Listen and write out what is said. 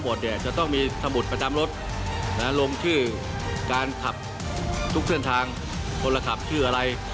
ผมจะใช้บรรยาการที่เข้มมวดในช่วง๓เดือนนี้ก่อนที่จะถึงวันหยุดสงครานครั้งต่อไป